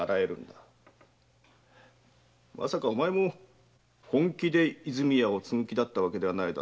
まさかお前も本気で和泉屋を継ぐ気だったわけではないだろ？